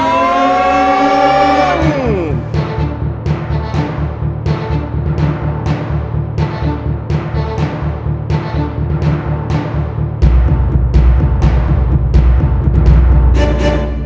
โรงได้ครับ